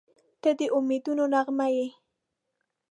• ته د امیدونو نغمه یې.